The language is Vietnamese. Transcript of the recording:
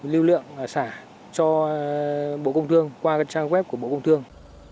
lưu lượng xả cho bộ công thương qua trang web của bộ công thương